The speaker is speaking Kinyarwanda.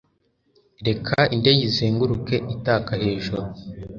Reka indege izenguruke itaka hejuru